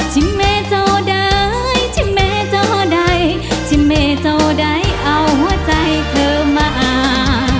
ชิเมเจ้าใดชิเมเจ้าใดชิเมเจ้าใดเอาใจเธอมา